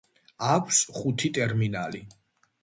აქვს ხუთი ტერმინალი.